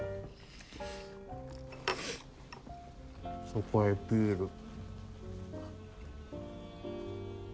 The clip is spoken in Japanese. そこへビール。